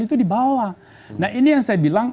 itu di bawah nah ini yang saya bilang